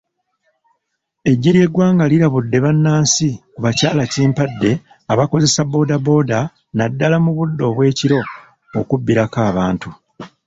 Eggye ly'eggwanga lirabudde bannansi ku bakyalakimpadde abakozesa boodabooda naddala mu budde obw'ekiro okubbirako abantu.